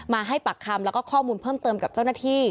ให้ปากคำแล้วก็ข้อมูลเพิ่มเติมกับเจ้าหน้าที่